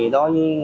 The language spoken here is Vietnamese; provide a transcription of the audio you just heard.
đúng cái anh